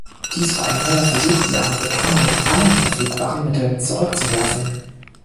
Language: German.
Dies war ein neuer Versuch, die Amerikaner mit allen verfügbaren Mitteln zurückzuwerfen.